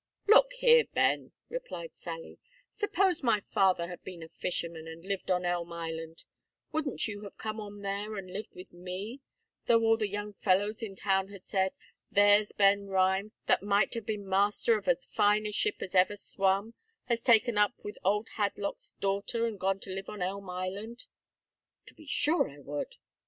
"Look here, Ben," replied Sally; "suppose my father had been a fisherman, and lived on Elm Island; wouldn't you have come on there and lived with me, though all the young fellows in town had said, There's Ben Rhines, that might have been master of as fine a ship as ever swum, has taken up with old Hadlock's daughter, and gone to live on Elm Island?" "To be sure I would."